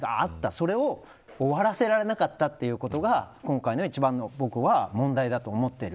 それを終わらせられなかったということが今回の一番の問題だと僕は思っている。